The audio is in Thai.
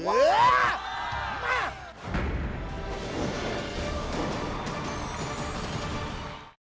อื้อมาก